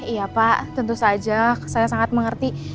iya pak tentu saja saya sangat mengerti